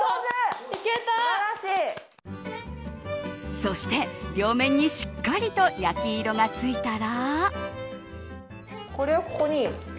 そして、両面にしっかりと焼き色がついたら。